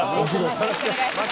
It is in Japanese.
よろしくお願いします。